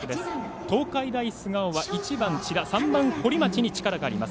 東海大菅生は１番の千田３番、堀町に力があります。